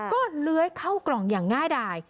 ก็เลื้อยเข้ากล่องอย่างง่ายดาย